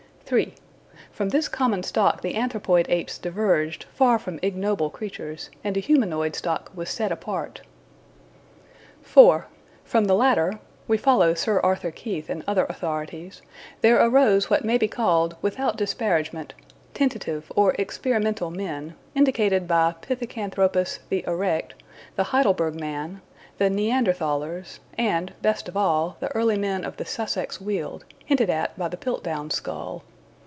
(3) From this common stock the Anthropoid apes diverged, far from ignoble creatures, and a humanoid stock was set apart. (4) From the latter (we follow Sir Arthur Keith and other authorities) there arose what may be called, without disparagement, tentative or experimental men, indicated by Pithecanthropus "the Erect," the Heidelberg man, the Neanderthalers, and, best of all, the early men of the Sussex Weald hinted at by the Piltdown skull.